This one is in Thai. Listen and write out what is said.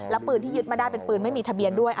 แล้วปืนที่ยึดมาได้เป็นปืนไม่มีทะเบียนด้วย